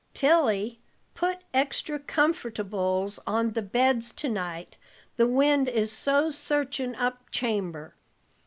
"Tilly, put extry comfortables on the beds to night, the wind is so searchin' up chamber.